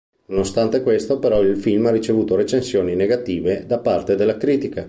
Nonostante questo però, il film ha ricevuto recensioni negative da parte della critica.